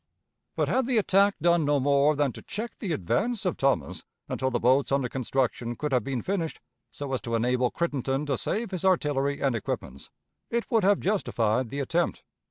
But, had the attack done no more than to check the advance of Thomas until the boats under construction could have been finished, so as to enable Crittenden to save his artillery and equipments, it would have justified the attempt.